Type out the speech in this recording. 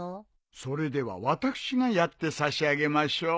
それでは私がやって差し上げましょう。